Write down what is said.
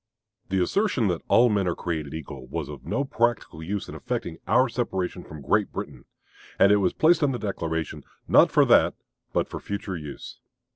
The assertion that "all men are created equal" was of no practical use in effecting our separation from Great Britain; and it was placed in the Declaration, not for that but for future use.